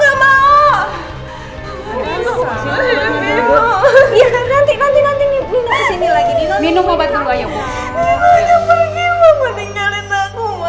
meninggalin aku bu